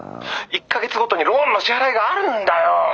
１か月ごとにローンの支払いがあるんだよ。